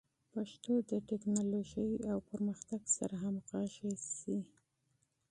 پښتو د ټکنالوژۍ او پرمختګ سره همغږي شي.